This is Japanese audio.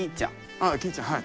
ああきーちゃんはい。